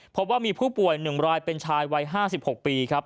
พบว่ามีผู้ป่วยหนึ่งรายเป็นชายวัย๕๖ปี